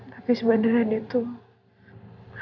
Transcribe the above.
tapi sebenarnya dia tuh